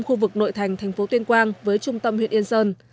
khu vực nội thành thành phố tuyên quang với trung tâm huyện yên sơn